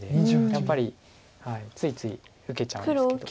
やっぱりついつい受けちゃうんですけど。